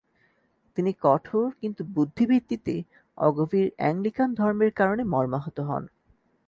তিনি কঠোর কিন্তু বুদ্ধিভিত্তিতে অগভীর অ্যাংলিক্যান ধর্মের কারণে মর্মাহত হন।